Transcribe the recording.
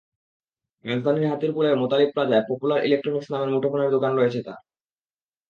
রাজধানীর হাতিরপুলের মোতালিব প্লাজায় popular electronics নামের মুঠোফোনের দোকান রয়েছে তাঁর।